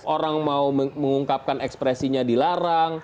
orang mau mengungkapkan ekspresinya dilarang